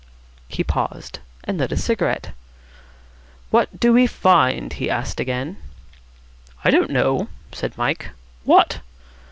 He paused, and lit a cigarette. "What do we find?" he asked again. "I don't know," said Mike. "What?"